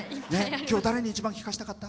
今日、誰に一番聴かせたかった？